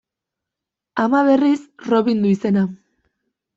Ama, berriz, Robin du izena.